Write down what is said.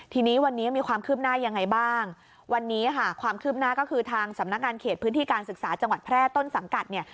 ทีนี้วันนี้มีความคืบหน้ายังไงบ้างวันนี้ค่ะความคืบหน้าก็คือทางสำนักงานเขตพื้นที่การศึกษาจังหวัดแพร่ต้นสังกัดเนี่ย